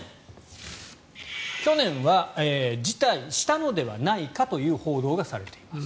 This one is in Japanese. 去年は辞退したのではないかという報道がされています。